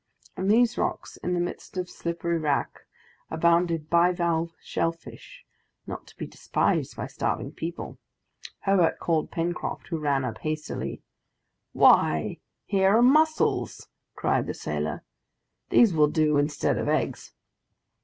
On these rocks, in the midst of slippery wrack, abounded bivalve shell fish, not to be despised by starving people. Herbert called Pencroft, who ran up hastily. "Here are mussels!" cried the sailor; "these will do instead of eggs!"